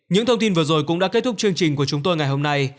những thông tin vừa rồi cũng đã kết thúc chương trình của chúng tôi ngày hôm nay